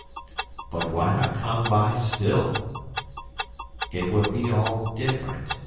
"But why not come by still?" "It would be all different.